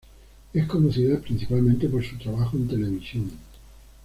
Es conocida principalmente por su trabajo en televisión.